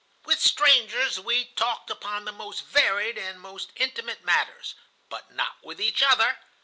With strangers we talked upon the most varied and most intimate matters, but not with each other.